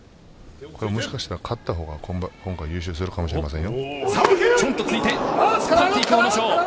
もしかしたら勝った方が今回優勝するかもしれませんよ。